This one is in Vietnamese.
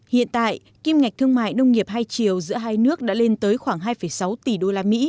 hiện tại kim ngạch thương mại nông nghiệp hai chiều giữa hai nước đã lên tới khoảng hai sáu tỷ đô la mỹ